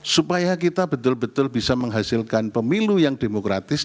supaya kita betul betul bisa menghasilkan pemilu yang demokratis